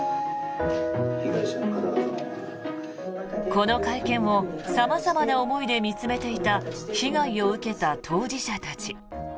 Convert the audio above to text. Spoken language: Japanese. この会見を様々な思いで見つめていた被害を受けた当事者たち。